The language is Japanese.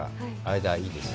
間、いいです。